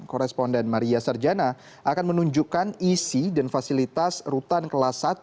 koresponden maria sarjana akan menunjukkan isi dan fasilitas rutan kelas satu